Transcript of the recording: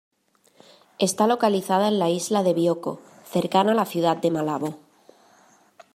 Está localizada en la isla de Bioko, cercana a la ciudad de Malabo.